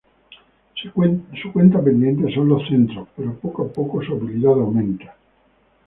Su cuenta pendiente son los centros, pero poco a poco su habilidad aumenta.